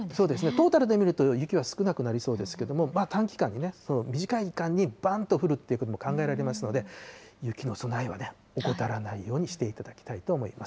トータルで見ると雪は少なくなりそうですけども、短期間に、短い期間にばんと降るってことも考えられますので、雪の備えをね、怠らないようにしていただきたいと思います。